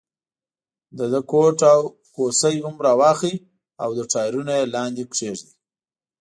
د ده کوټ او کوسۍ هم را واخلئ او تر ټایرونو یې لاندې کېږدئ.